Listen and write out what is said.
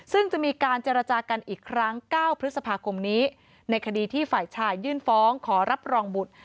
ซึ่งจะมีการเจรจากันอีกครั้ง๙พฤษภาคมนี้ในคดีที่ฝ่ายชายยื่นฟ้องขอรับรองบุตร